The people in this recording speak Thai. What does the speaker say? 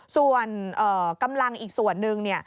ส่วนกำลังอีกส่วนหนึ่ง